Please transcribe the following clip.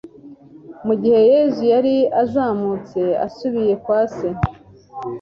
Mu gihe Yesu yari azamutse asubiye kwa Se,